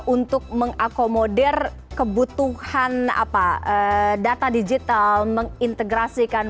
untuk mengakomodir kebutuhan data digital mengintegrasikan